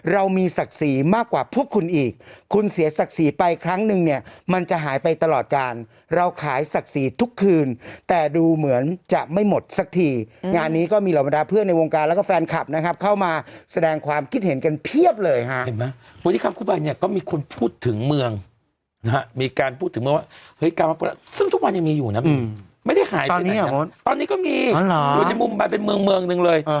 เขาสร้างมาหนึ่งเมืองคือแบบอย่างเป็นโลเกชั่นสร้างเมืองเป็นหนึ่งเมืองเลย